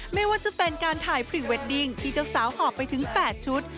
ไม่ว่าจะเป็นการถ่ายพรีเวดดิ้งที่เจ้าสาวหอบไปถึง๘ชุด